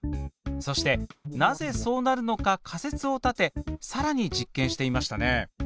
そしてなぜそうなるのか仮説を立てさらに実験していましたね。